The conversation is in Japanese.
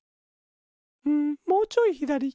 うんもうちょいひだり。